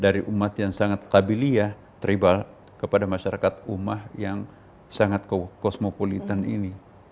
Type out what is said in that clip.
dari umat yang sangat tabiliyah tribal kepada masyarakat umah yang sangat kosmopolitan ini